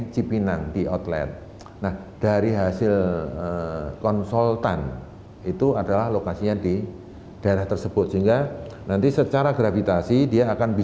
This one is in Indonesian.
cipinang nanti kita kurang lebih jarak tiga ratus meter